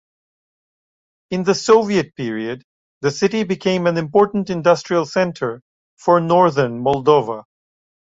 In the Soviet period, the city became an important industrial center for northern Moldova.